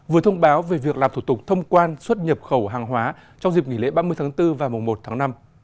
vừa thông báo về việc làm thủ tục thông quan xuất nhập khẩu hàng hóa trong dịp nghỉ lễ ba mươi tháng bốn và mùa một tháng năm